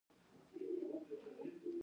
موږ هېښ او حیران وو چې څه به کیږي